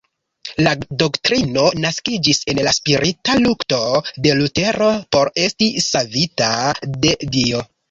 La doktrino naskiĝis en la spirita lukto de Lutero por esti savita de Dio.